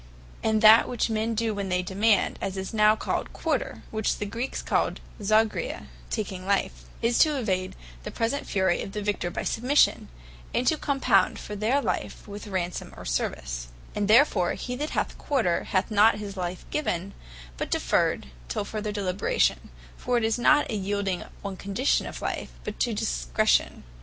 And that men do, when they demand (as it is now called) Quarter, (which the Greeks called Zogria, taking alive,) is to evade the present fury of the Victor, by Submission, and to compound for their life, with Ransome, or Service: and therefore he that hath Quarter, hath not his life given, but deferred till farther deliberation; For it is not an yeelding on condition of life, but to discretion.